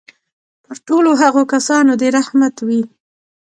پر ټولو هغو کسانو دي رحمت وي.